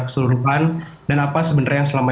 keseluruhan dan apa sebenarnya yang selama